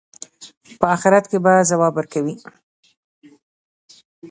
په آخرت کې به ځواب ورکوي.